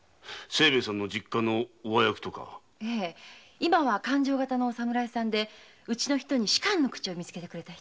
今は勘定方のお侍でうちの人に仕官の口を見つけてくれた人。